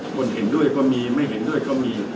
คนเห็นด้วยก็มีไม่เห็นด้วยก็มี